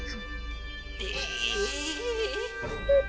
え。